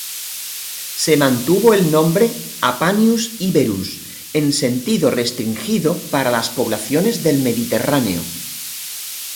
Se mantuvo el nombre "Aphanius iberus" en sentido restringido para las poblaciones del mediterráneo.